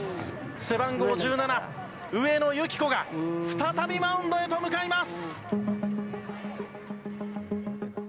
背番号１７、上野由岐子が、再びマウンドへと向かいます。